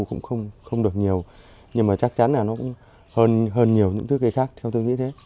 cũng không được nhiều nhưng mà chắc chắn là nó cũng hơn nhiều những tước cây khác theo tôi nghĩ thế